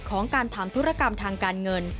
ของการทำธุรกรรมทางการเงิน